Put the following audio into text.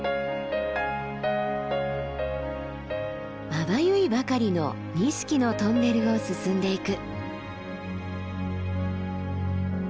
まばゆいばかりの錦のトンネルを進んでいく。